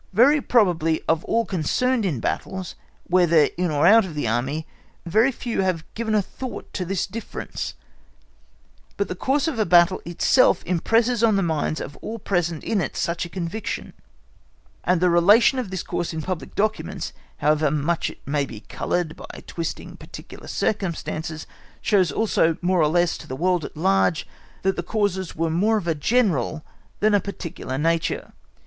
Very probably, of all concerned in battles, whether in or out of the Army, very few have given a thought to this difference, but the course of the battle itself impresses on the minds of all present in it such a conviction, and the relation of this course in public documents, however much it may be coloured by twisting particular circumstances, shows also, more or less, to the world at large that the causes were more of a general than of a particular nature.